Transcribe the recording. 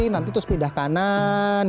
nanti terus pindah kanan